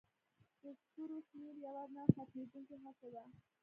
د ستورو شمیرل یوه نه ختمېدونکې هڅه ده.